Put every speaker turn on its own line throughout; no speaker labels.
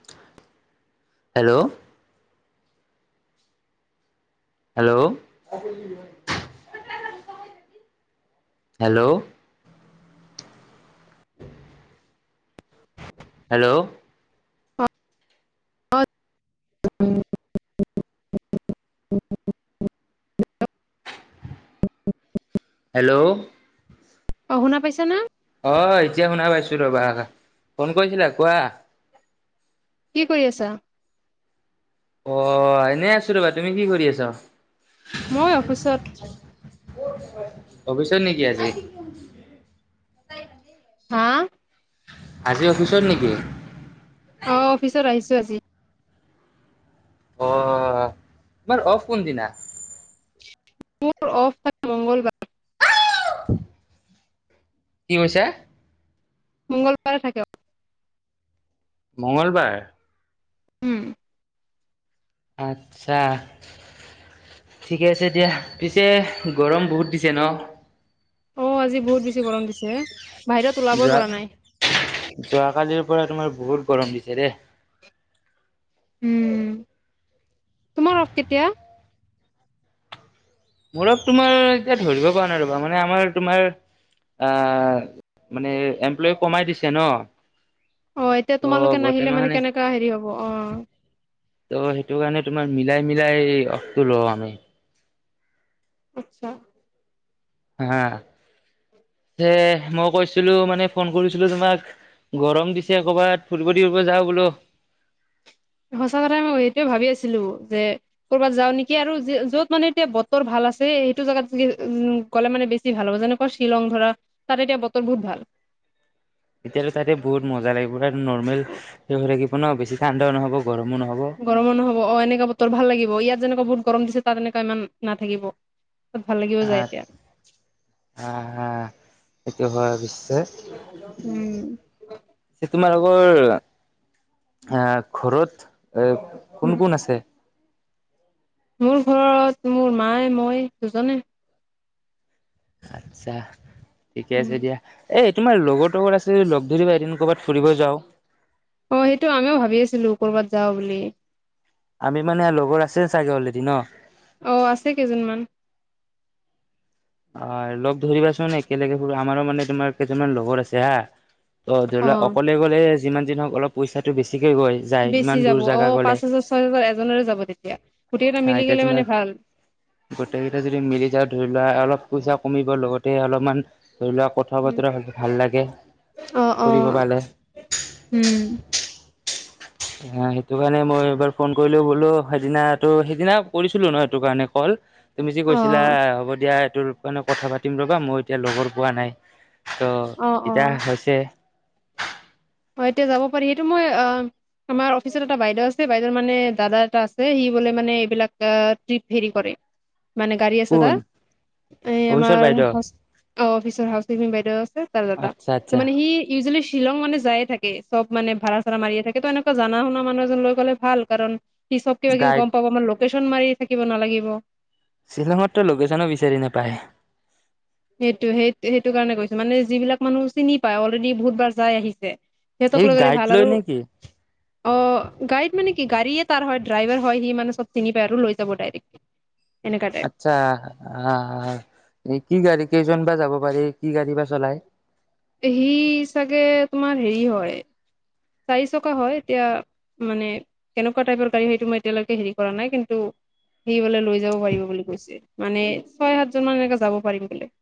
ঠু ঠা hello. Hello [unintelligible] hello ঢু আ আ। হেল্ল'
অ
[unintelligible] স স স স স স ঠাক হেল্ল'
অ, শুনা পাইছা না?
অ অ এতিয়া শুনা পাইছো ৰ'বা ফোন কৰিছিলা কোৱা।
কি কৰি আছা?
অ অ অ আ এনেই আছো ৰ'বা। তুমি কি কৰি আছা? ঠা
মই অফিচত
ঠু টু। ক'ত আছে? অফিচত নেকি আজি আই টি
হা আ আ।
আজি অফিচত নেকি?
অ অ অ, অফিচত আহিছো আজি।
অ অ অ অ আ, তোমাৰ অফ কোনদিনা।
মোৰ অফ থাকে মঙ্গলবাৰ।
কি কৈছে?
মঙ্গলবাৰে থাকে অফ।
মঙ্গলবাৰ।
উম উ উ।
আচ্ছা। ঠিকে আছে দিয়া পিছে গৰম বহুত দিছে ন।
অ আজি বহুত বেছি গৰম দিছে এ।
চি ই ই যোৱা ঠা ঠা ঠ ঠ যোৱাকালিৰ পৰা তোমাৰ বহুত গৰম দিছে দে।
উম উম উম উ, তোমাৰ অফ কেতিয়া?
মোৰক তোমাৰ এতিয়া ধৰিব পৰা নাই ৰ'বা মানে আমাৰ তোমাৰ আ আ আ আহ মানে এমপ্লয়ী কমাই দিছে ন।
অ এতিয়া
ত'
তোমালোকে
গোটেই
নাহিলে মানে কেনেকা হেৰি হব অ অ অ।
ত' সেইটো কাৰণে তোমাৰ মিলাই-মিলাই অফটো লও আমি।
আচ্ছা।
আহা আহা সে এ এ এ মই কৈছিলো মানে ফোন কৰিছিলো তোমাক গৰম দিছে ক'ৰবাত ফুৰিব দিওব যাওঁ বোলো।
সঁচা কথা মই এইটোৱেই ভাবি আছিলো যে কৰ'বাত যাও নেকি আৰু যি য'ত মানে এতিয়া বতৰ ভাল আছে সেইটো জাগাত ফুৰি উ উম উম। গ'লে মানে বেছি ভাল হ'ব যেনেকুৱা শ্বিলং ধৰা তাত এতিয়া বতৰ বহুত ভাল।
এতিয়ালৈ তাতে বহুত মজা লাগিব তাত নৰ্মেল শে হৈ থাকিব ন বেছি ঠাণ্ডাও নহ'ব গৰমো নহ'ব।
গৰমো নহব অ এনেকা বতৰ ভাল লাগিব ইয়াত যেনেকুৱা বহুত গৰম দিছে তাত এনেকা ইমান নাথাকিব। বহুত ভাল লাগিব যাই এতিয়া।
হা হা সেইটো হয় অবশ্যে। এ তোমালোকৰ আ আ ঘৰত এ কোন কোন আছে?
মোৰ ঘৰত মোৰ মায় মই দুজনে।
আচ্ছা ঠিকে আছে দিয়া। এই তোমাৰ লগৰ লগত আছে লগ ধৰিবা এদিন ক'ৰবাত ফুৰিব যাওঁ।
অঁ সেইটো আমিও ভাবি আছিলো কৰ'বাত যাওঁ বুলি।
আমি মানে লগৰ আছে চাগে অলৰেডি ন।
অঁ আছে কেইজনমান।
অঁ লগ ধৰিবাচোন একেলগে সু আমাৰো মানে তোমাৰ কেইজনমান লগৰ আছে হা। অঁ ধৰি
অ
লোৱা অকলে গ'লে যিমান দিন হওঁক অলপ পইচাটো বেছিকে গৈ যায় ইমান
বেছি যাব
দূৰ
অ
জেগা গ'লে।
পাঁচ হাজাৰ ছয় হোজাৰ এজনৰে যাব তেতিয়া। গোটেইকেইটা
হা
মিলি
এতিয়া
গলে মানে
যেনৰ
ভাল
গোটেই কেইটা যদি মিলি যাওঁ ধৰি লোৱা অলপ পইচা কমিব লগতে অলপমান ধৰি লোৱা কত কথা বতৰা ভাল লাগে ফুৰিব পালে।
উমঁ!
অঁ সেইটো কাৰণে মই এইবাৰ ফোন কৰিলো বোলো সেইদিনাটো সেইদিনা কৰিছিলো ন সেইটো কাৰণে কল। তুমি যি
অ
কৈছিলা হ'ব দিয়া এই তোৰ কাৰণে কথা পাতিম ৰ'বা মই এতিয়া লগৰ পোৱা নাই। ত'
অ অ
এতিয়া হৈছে।
হয়ঁ এতিয়া যাব পাৰি সেইটো মই অহ! আমাৰ অফিচত এটা বাইদেউ আছে বাইদেউৰ মানে দাদা এটা আছে সি বোলে মানে এইবিলাক ট্ৰিপ হেৰি কৰে।
[unintelligible]
মানে গাড়ী আছে
কোন
তাৰ। এ
অভিশ্বৰ
আমাৰ
বাইদেউ
হাউচ অ অফিচৰ হাউচ কপিং বাইদেউ আছে তাৰ দাদা
আচ্ছা আচ্ছা
তা মানে সি- সি যোলি শ্বিলং মানে যায়। থাকে চব মানে ভাড়াডা মাৰিয়ে থাকে ত এনেুৱ জানা শুনা মানুহ এজন লৈ গ'লে ভাল কাৰণ সি চব কিবা কিবি
গাইড
গম পাব মানাৰ লোকেশচন মাৰি থাকিব নালাগিব।
শ্বিলঙতো লোকেশ্যনো বিচাৰি নোপায়।
সেইটো সেই সেইটো কাৰণে কৈছো মানে যিবিলাক মানুহ চিনি পায় অলৰেডি বহুতবাৰ যাই আহিছে। সিহঁতক
এই
লগৈ গ'লে
গাইড
ভাল
লয়
আৰু।
নেকি
অঁ গাড়ীত মানে কি গাড়ীয়ে তাৰ হয় ড্ৰাইভাৰ হয় সি মানে চব চিনি পায় আৰু লৈ যাব ডাইৰেক্টলি। এনেকা।
আচ্ছা আ আ এই কি গাড়ী কেইজন বা যাব পাৰি কি গাড়ী বা চলাই?
সি চাগে তোমাৰ হেৰি হয় চাৰি চকা হয়ঁ এতিয়া। মানে কেনেকুৱা টাইপৰ গাড়ী সেইটো মই এতিয়ালৈকে হেৰি কৰা নাই কিন্তু- সিবলে লৈ যাব পাৰিব বুলি কৈছে মানে ছয় সাতজন মান এনেকে যাব পাৰিম বোলে।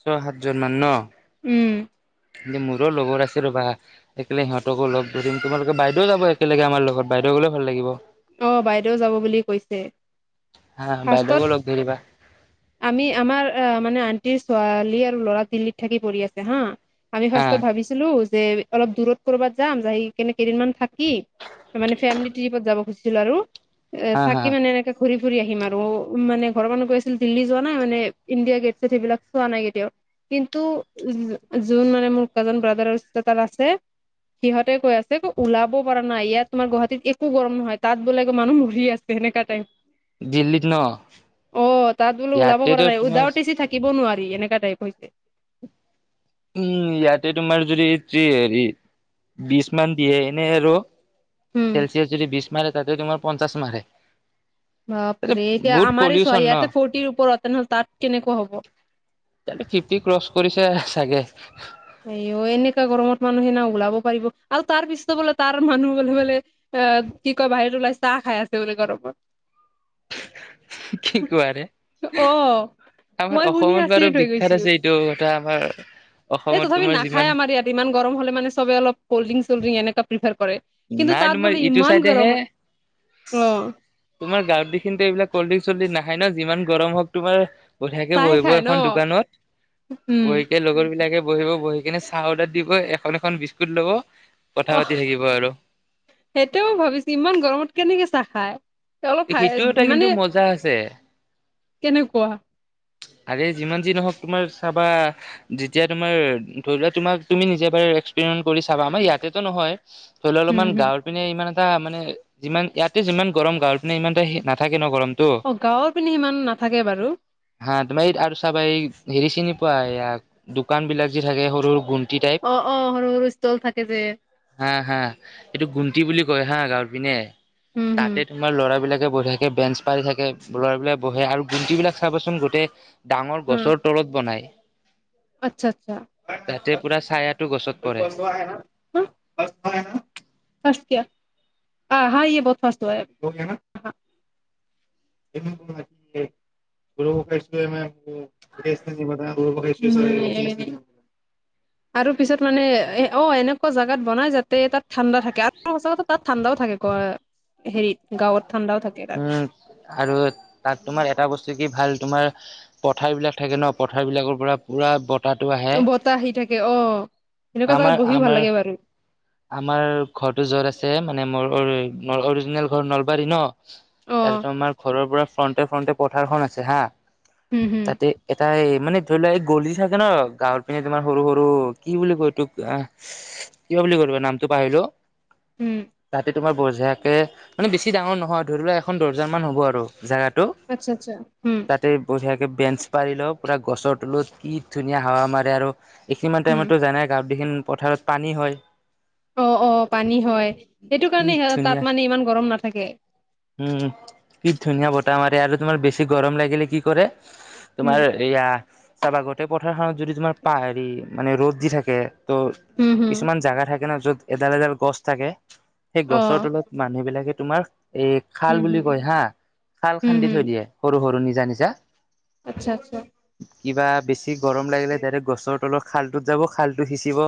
ছয় সাতজন মান ন।
উমঁ!
এ মোৰো লগৰ আছে ৰ'বা। একেলে সিহঁতকো লগ ধৰিম তোমালোকে বাইদেউ যাব একেলগে আমাৰ লগতাইদেউ গলে ভাল লাগিব।
অঁ বাইদেউ যাব বুলি কৈছে
হা বাইদেউকো
ফাৰ্ষ্টত।
লগ ধৰিবা
আমি আমাৰ মানে আণ্টিৰ ছোৱালী আৰু ল'ৰা দিল্লীত থাকি পৰিঢ়ি আছে হা। আমি
হা
ফাৰ্ষ্টত ভাবিছিলো যে অলপ দূৰত কৰবাত যাম যা কেনে কেইদিনমান থাকি- মানে ফেমিলি ট্ৰিপত যাব খুজিছিলো আৰু এ
হা হা
থাকি মানে এনেকে। ঘুৰি ফুৰি আহিম আৰু মানে ঘৰৰ মানুহ কৈ আছিল দিল্লী যোৱা নাই মানে ইণ্ডিয়া গেটছে সেইবিলাক চোৱা নাই কেতিয়াওঁ। কিন্তু যোন মানে মোৰ কাজ ব্ৰাদাৰ তাৰ আছে। সিহঁতে কৈ আছে ওলাব পাৰা নাই ইয়াত তোমাৰ গুৱাহাটীত একো গৰম নহয়। তাত বোলে মানুহ ভিৰ আছে সেনেকা টাইম।
দিল্লীত ন
অঁ তাত বোলো ওলাব
ইয়াতেতো
পৰা নাই উ
তোমাৰ
দাউটিছি থাইত। থাকিব নোৱাৰি এনেকা টাইপ হৈছে
উম ইয়াতে তোমাৰ যদি হেৰি বিশ মান দিয়ে এনেই আৰু চেলচিয়াছ যদি বিশ মাৰে তাতে তোমাৰ পঞ্চাশ মাৰে তাতে
বাপৰে এতিয়া
বহুত
আমাৰ চ
পলিউচন ন
ইয়াতে ফৰটিৰ ওপৰত নহলে তাত কেনেকুৱা হ'ব
ফিফটি ক্ৰচ কৰিছে চাগে
এ অ এনেকা গৰমত মানুহ সেইদিনা ওলাব পাৰিব আৰু তাৰ পিছত বোলে তাৰ মানুহ বোলে বোলে অ কি কয় বাহিৰত ওলাই চাহ খাই আছে বোলে গৰমত
কি কোৱা ৰে
অ
আমাৰ
মই শুনি
অসমত বাৰু
আচৰিত হৈ গৈছো
বিখ্যাত আছে এইটো এটা আমাৰ
এই
অসমত
তথাপি
তোমাৰ যিমান
নাখায় আমাৰ ইয়াত ইমান গম হলে মানে চব অলপ কল্ড্ৰিং চল্ড্ৰিং এনেকা প্ৰিফাৰ কৰে কিন্তু
নাই
তাত
তোমাৰ
বোলে
ইটো
ইমান
চাইডেহে
গৰম আ অ
তোমাৰ গাঁৰ দি এইবিলাক কল্ড্ৰিংচ চল্ট ডিং নাখায় যি গৰম হওক তোমাৰ বহিয়াকে
চাহে
বহিব
খাই ন
এখন দোকানত
উম
বহি কে লগৰ বিলাকে বহিব বহি কিনে চাহ অৰ্ডাৰ দি এখন এখন বিস্কুট লব কথা পাতি থাকিব আৰু
সেইটোয়েও ভাবিছো ইমান গৰমত কেনেকে চাহ খাই অলপ মানে
পজা আছে
কেনেকুৱা
আৰে যিমান যি নহওক তোমাৰ চাবা যেতিয়া তোমাৰ ধৰি লোৱা তোমাক তুমি নিজে বাৰ এক্সপেৰিমেণ্ট কৰি চাবা আমাৰ ইয়াতে টো নহয় ধৰলও
হম
অলপমান
হম
গাঁওৰ পিনে ইমান এটা মানে যিমান ইয়াতে যিমান গৰম গাঁওৰ পিনে ইমানতে নাথাকে ন গৰম
অ গাঁৱৰ পিনে সিমান নাথাকে বাৰু
হা তোমাইড এই আৰু চাবাই হেৰি চিনি পোৱা ইয়াক দোকান বিলাক যি থাকে সৰু সৰু গুণ
অ অ সৰু সৰু ষ্টল থাকে যে
হা হা এইটো গুণ্টি বুলি কয় হা গাঁওৰ পিনে
হম হম
তাতে তোমাৰ ল'ৰাবিলাকে বহি থাকে বেঞ্চ পাৰি থাকে ল'ৰাবিলাক বহে আৰু গুণ্টি বিলাক চাবচোন গোটেই ডাঙৰ
হা
গছৰ তলত বনায়
আচ্ছা আচ্ছা
তাতে পুৰা ছায়াটো গছত পৰে
ওৱাহেনা
[inaudible]
ফাছতিয়া হা হা ইয়ে বহুত ফাস্ট হুৱা হেয় হো গয়া না [unintelligible] [unintelligible]
[inaudible]
আৰু পিছত মানে এ অ এনেকুৱা জাগাত বনাই যাতে তাত ঠাণ্ডা থাকে আৰু সঁচা কথা তাত ঠাণ্ডাও থাকে ক হেৰিত গাঁৱত ঠাণ্ডাও থাকে তাত
উ আৰু তাত তোমাৰ এটা বস্তু কি ভাল তোমাৰ পথাৰ বিলাক থাকে ন পথাৰ বিলাকৰ পৰা পুৰা বতাহটো আহে
বতাহ আহি থাকে অ সেনেকুৱা জাগাত
আমাৰ
বহিও ভাল
আমাৰ
লাগে বাৰু
আমাৰ ঘৰটো যত আছে মানে মোৰ মোৰ ঘৰ অৰিজিনেল ঘৰ নলবাৰী ন
অ
তাৰ আমাৰ ঘৰৰ পৰা ফ্ৰন্টে ফ্ৰণ্টে পথাৰখন আছে হা
হম হম
তাতে এটা এই মানে ধৰি লোৱা এই গলি চাগে ন গাঁৱৰ পিনে তোমাৰ সৰু সৰু কি বুলি কয় তোক আহ কিয় বুলি কলো নামটো পাহৰিলো
উম,
তাতে তোমাৰ বজোকে মানে বেছি ডাঙৰ নহয় ধৰি লোৱা এখন দৰ্জামান হ'ব আৰু জাগাটো
আচ্ছা আচ্ছা, হুম।
তাতে বঢ়িয়াকে বেঞ্চ পাৰি লও, পুৰা গছৰ তলত কি ধুনীয়া হাৱা মাৰে আৰু এইখিনিমান মান
উম,
টাইমততো জনাই গাওঁদিহীন পথাৰত পানী হয়।
অ', অ', পানী হয়, সেইটো
কি
কাৰণে সিহ
ধুনীয়া
তাত মানে ইমান গৰম নাথাকে।
উম, কি ধুনীয়া বতাহ মাৰে আৰু তোমাৰ বেছি গৰম লাগিলে কি কৰে
উম,
তোমাৰ এয়া তাবাগতে পথাৰখনত যদি তোমাৰ পা হেৰি মানে ৰ'দ দি থাকে ত'
হুম, হুম,
কিছুমান জেগা থাকে ন' য'ত এডাল এডাল গছ থাকে সেই
অ',
গছৰ তলত মানুহবিলাকে তোমাৰ এই
হুম,
খাল
হুম,
বুলি কয় হা, খাল
হুম,
খান্দি
হুম,
থৈ দিয়ে। সৰু সৰু, নিজা নিজা।
আচ্ছা আচ্ছা।
কিবা বেছি গৰম লাগিলে ডাইৰেক্ট গছৰ তলত খালটোত যাব, খালটো সিঁচিব,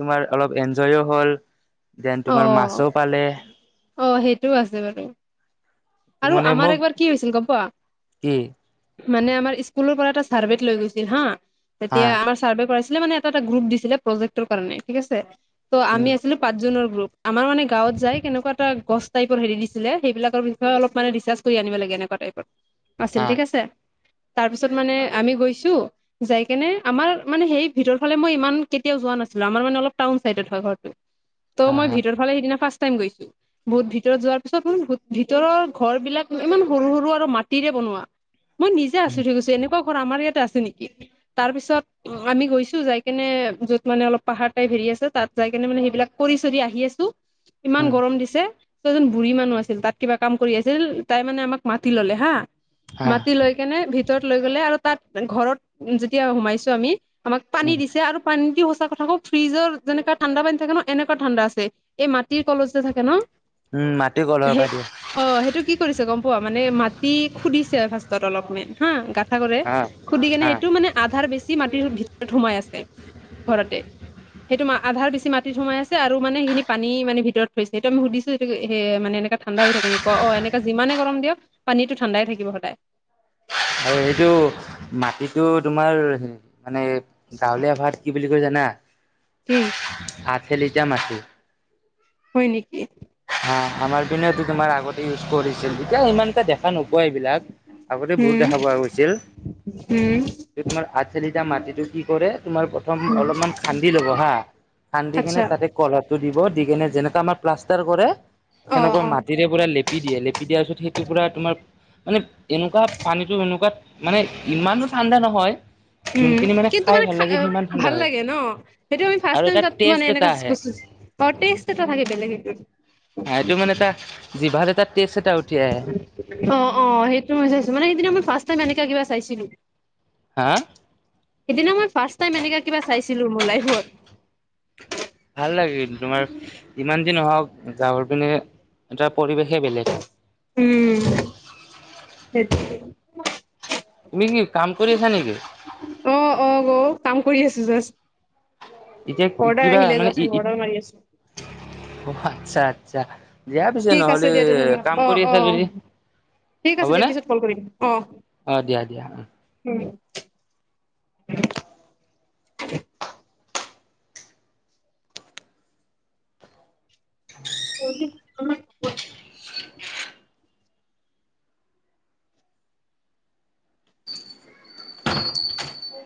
তোমাৰ অলপ এনজয়ও হ'ল। দেন তোমাৰ মাছো
অ'।
পালে
অ' সেইটোও আছে বাৰু। আৰু
মানে
আমাৰ
মোক
একবাৰ কি হৈছিল গম পোৱা?
কি?
মানে আমাৰ স্কুলৰ পৰা এটা ছাৰ্ভেত লৈ গৈছিল হা,
হা
তেতিয়া আমাৰ ছাৰ্ভে কৰাইছিলে মানে এটা এটা গ্ৰুপ দিছিলে প্ৰজেক্টৰ কাৰণে ঠিক আছে, ত'
উম
আমি আছিলোঁ পাঁচজনৰ গ্ৰুপ, আমাৰ মানে গাঁৱত যাই কেনেকুৱা এটা গছ টাইপৰ হেৰি দিছিলে, সেইবিলাকৰ বিষয়ে অলপ মানে ৰিচাৰ্ছ কৰি আনিব লাগে এনেকুৱা টাইপত,
হা
আছিল ঠিক আছে, তাৰপিছত মানে আমি গৈছোঁ যাই কেনে, আমাৰ মানে সেই ভিতৰ ফালে মই ইমান কেতিয়াও যোৱা নাছিলোঁ, আমাৰ মানে অলপ টাউন চাইডত হয় ঘৰটো। ত'
হা
মই
হা
ভিতৰফালে সেইদিনা ফাৰ্ষ্ট টাইম গৈছোঁ। বহুত ভিতৰত যোৱাৰ পিছত [unintelligible] ভিতৰৰ ঘৰবিলাক ইমান সৰু সৰু আৰু মাটিৰে বনোৱা। মই নিজে
উম
আচৰিত হৈ গৈছোঁ, এনেকুৱা ঘৰ আমাৰ ইয়াতে আছে নেকি, তাৰপিছত আমি গৈছোঁ যাই কেনে য'ত মানে অলপ পাহাৰ টাইপ হেৰি আছে তাত যাই কেনে মানে সেইবিলাক কৰি চৰি আহি আছোঁ, ইমান
উম
গৰম দিছে। ত' এজন বুঢ়ী মানুহ আছিল, তাত কিবা কাম কৰি আছিল, তাই মানে আমাক মাতি ল'লে হা
হা
মাতি লৈ কেনে ভিতৰত লৈ গ'লে আৰু তাত ঘৰত যেতিয়া সোমাইছোঁ আমি আমাক পানী
উম
দিছে আৰু পানী দি সঁচা কথা কওঁ ফ্ৰিজৰ যেনেকুৱা ঠাণ্ডা পানী থাকে ন এনেকুৱা ঠাণ্ডা আছে, এই মাটিৰ কলহ যে থাকে ন
উম, মাটি কলহৰ
সেই
পৰা দিয়ে।
অ' সেইটো কি কৰিছে গম পোৱা, মানে মাটি খুধিছে ফাৰ্ষ্টত অলপমান হা, গাত থা কৰে,
হা
খুদি কেনে
হা
সেইটো মানে আধাৰ বেছি ছি মাটিৰ ভিতৰত সোমাই আছে ঘৰতে, সেইটো মা আধাৰ বেছি মাটি টিত সোমাই আছে আৰুা মানে সেইখিনি পানী মানে ভিতৰত থৈছে, ত' আমি সুধিছোঁ সেইটো সে সেনেকা ঠাণ্ডা থাকেি অ', অ' এনেকে যিমানে গৰম দিয়ক পানীটো ঠাণ্ডাই থাকিব সদায়।
আৰু এইটো মাটিটো তোমাৰ হে মানে গাঁৱলীয়া ভাষাত কি বুলি কৈ জানা,
কি
হাতে লিটাৰ মাটি।
হয় নেকি?
হা, আমাৰ পিনেতো তোমাৰ আগত ইউজ কৰিছিল। তেতিয়া সিমান এটা দেখা নোপোৱা এইবিলাক, আগতে বহুত দেখা পোৱা গৈছিল।
উম।
তোমাৰ আঠ [unintelligible] মাটিটো কি কৰে, তোমাৰ প্ৰথম
হুম
অলপমান খান্দি ল'ব হা খান্দি কেনে
আচ্ছা
তাতে কলহটো দিব দি কেনে যেনেকে আমাৰ প্লাষ্টাৰ কৰে
অ,
সেনেকুৱা
অ,
মাটিৰে পুৰা লেপি দিয়ে, লেপি দিয়াৰ পিছত সেইটো পুৰা তোমাৰ মানে এনেকুৱা পানীটো এনেকুৱা মানে ইমানো ঠাণ্ডা নহয়।
উম
যোনখিনি
কিন্তু
খাই
মানে
ভাল লাগে সিমান ঠাণ্ডা
ভাল
হয়
লাগে ন সেইটো আমি ফাৰ্ষ্ট
আৰু
টাইম
এটা
তাত মানে
টেষ্ট এটা
এনেকা
আহে।
বস্তু অ টষ্ট এটা থাকে বেলেগে এটা।
হ এইটো মানে এটা যিভাত এটা টেষ্ট এটা উঠি আহে।
অঁ অঁ সেইটো মই চাইছো, মানে এইদিনা মই ফাৰ্ষ্ট টাইম এনেকা কিবা চাইছিলো।
হা হা?
সেইদিনা মই ফাৰ্ষ্ট টাইম এনেকা কিবা চাইছিলো মোৰ লাইফত।
ভাল লাগে কিন্তু তোমাৰ যিমান যি নহওক গাঁওৰ পিনে এটা পৰিৱেশে বেলেগ।
উম সেইটোৱে।
তুমি কি কাম কৰি আছা নেকি?
অ অ গ' কাম কৰি আছো জাষ্ট।
এতিয়া
অৰ্ডাৰ
কিবা
আহিলে
মানে
জাষ্ট অৰ্ডাৰ মাৰি আছো।
আচ্ছা আচ্ছা, দিয়া পিছে
ঠিক আছে
নহ'লে
দিয়া তেনেহ'লে
কাম
অ,
কৰি
অ,
আছা যদি।
ঠিক
হ'ব
আছে দিয়া
নে?
পিছত কল কৰিম
অ দিয়া দিয়া উম।
উম
[inaudible]
[unintelligible]
[inaudible]